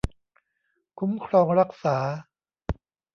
คุ้มครองรักษา